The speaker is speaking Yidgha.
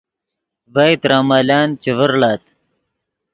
ڤئے ترے ملن چے ڤرڑیت